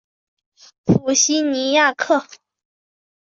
普西尼亚克。